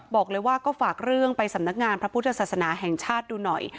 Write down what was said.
บอกเลยว่าก็ฝากเรื่องไปสำนักงานพระพุทธศาสนาแห่งชาติดูหน่อย